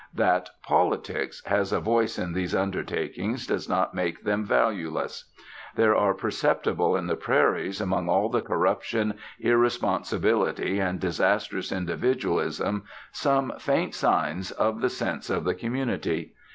That 'politics' has a voice in these undertakings does not make them valueless. There are perceptible in the prairies, among all the corruption, irresponsibility, and disastrous individualism, some faint signs of the sense of the community.